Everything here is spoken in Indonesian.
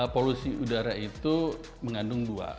polusi udara itu mengandung dua